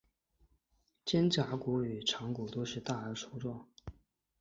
肩胛骨与肠骨都是大而粗壮。